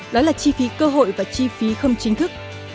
đó là chi phí cơ hội và chi phí không chính thức